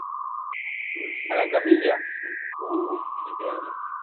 a la camilla. ¡ uh!